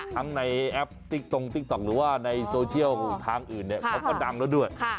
ทั้งในแอปติ๊กตรงติ๊กต๊อกหรือว่าในโซเชียลทางอื่นเนี่ยเขาก็ดังแล้วด้วย